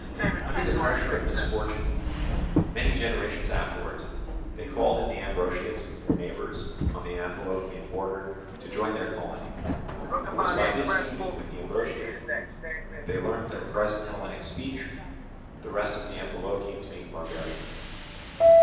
Under the pressure of misfortune many generations afterwards, they called in the Ambraciots, their neighbours on the Amphilochian border, to join their colony; and it was by this union with the Ambraciots that they learnt their present Hellenic speech, the rest of the Amphilochians being barbarians.